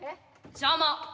邪魔。